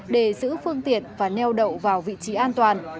để giữ phương tiện và neo đậu vào vị trí an toàn